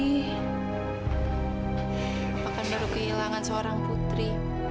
apa kan baru kehilangan seorang putri